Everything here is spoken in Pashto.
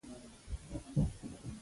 احمد يې په ټولګي کې خپ و چپ کړ.